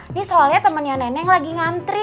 ini soalnya temennya neneng lagi ngantri